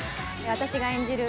私が演じる